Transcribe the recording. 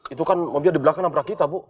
itu kan mobil di belakang nabrak kita bu